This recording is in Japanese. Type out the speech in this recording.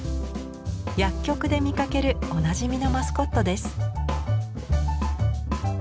薬局で見かけるおなじみのマスコットです。